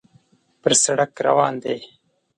پر سړک روان دی.